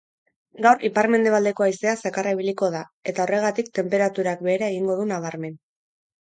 Gaur ipar-mendebaldeko haizea zakarra ibiliko da eta horregatik tenperaturak behera egingo du nabarmen.